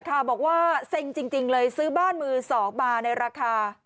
รากฐาบอกว่าเซ็งจริงเลยซื้อบ้านมือ๒บาทในราคา